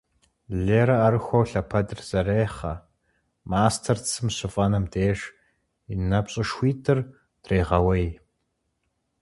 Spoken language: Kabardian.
Лерэ ӏэрыхуэу лъэпэдыр зэрехъэ, мастэр цым щыфӏэнэм деж, и напщӏэшхуитӏыр дрегъэуей.